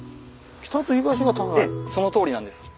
ええそのとおりなんです。